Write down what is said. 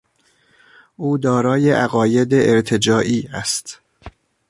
او دارای عقاید ارتجاعی است.